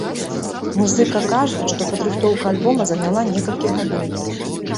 Музыка кажа, што падрыхтоўка альбома заняла некалькі гадоў.